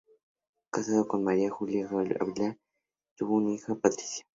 Casado con María Julia Aguiar, tuvo una hija, Patricia.